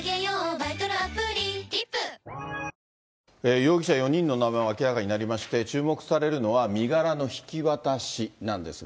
容疑者４人の名前が明らかになりまして、注目されるのは、身柄の引き渡しなんですが。